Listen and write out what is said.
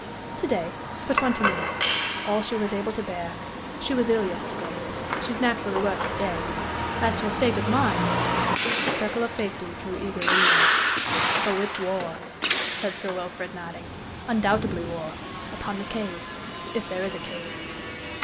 "To day, for twenty minutes all she was able to bear. She was ill yesterday. She is naturally worse to day. As to her state of mind " The circle of faces drew eagerly nearer. "Oh, it's war," said Sir Wilfrid, nodding "undoubtedly war upon the Cave if there is a Cave."